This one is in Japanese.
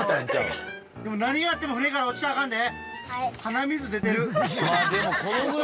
何があっても船から落ちたらあかんで。